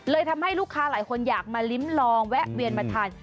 ทำให้ลูกค้าหลายคนอยากมาลิ้มลองแวะเวียนมาทาน